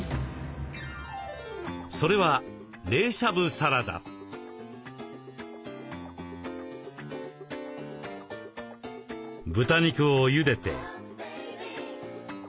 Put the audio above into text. それは豚肉をゆでて。